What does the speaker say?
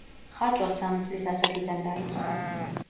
ხატვა სამი წლის ასაკიდან დაიწყო.